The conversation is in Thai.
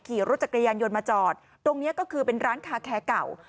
ขี่รถจักรยานยนต์มาจอดตรงนี้ก็คือเป็นร้านคาแคร์เก่า